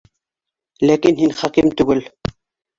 Ләкин һин хаким түгел!